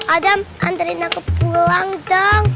adam antarin aku pulang dong